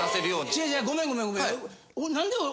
違う違うごめんごめん。